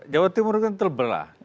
jawa timur kan terbelah